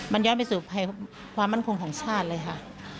มันย้อนไปสู่ภัยความมั่นคงของชาติเลยค่ะ